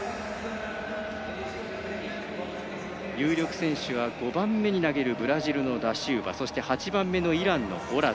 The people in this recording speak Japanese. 有力選手は５番目に投げるブラジルのダシウバそして８番目のイランのオラド。